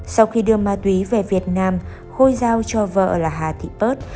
sau khi đưa ma túy về việt nam khôi giao cho vợ là hà thị pơt